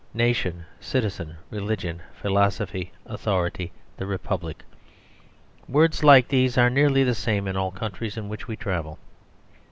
"Nation," "citizen," "religion," "philosophy," "authority," "the Republic," words like these are nearly the same in all the countries in which we travel.